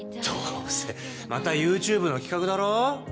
どうせまたユーチューブの企画だろ？